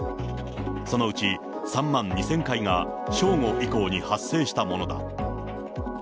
そのうち３万２０００回が、正午以降に発生したものだ。